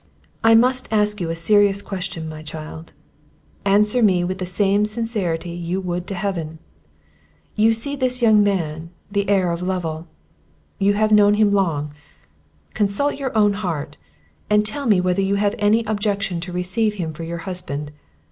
"I must ask you a serious question, my child; answer me with the same sincerity you would to Heaven. You see this young man, the heir of Lovel! You have known him long; consult your own heart, and tell me whether you have any objection to receive him for your husband.